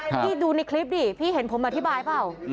พี่ดูในคลิปดิพี่เห็นผมอธิบายเปล่า